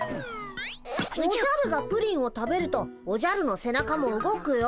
おじゃるがプリンを食べるとおじゃるの背中も動くよ。